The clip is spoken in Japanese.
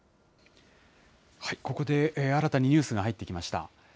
ここで新たにニュースが入ってきました。